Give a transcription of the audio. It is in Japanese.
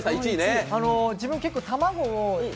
自分結構、卵を。